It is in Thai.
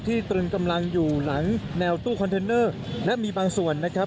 ตรึงกำลังอยู่หลังแนวตู้คอนเทนเนอร์และมีบางส่วนนะครับ